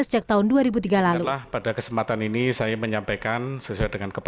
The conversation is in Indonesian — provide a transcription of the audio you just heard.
sejak tahun dua ribu tiga lalu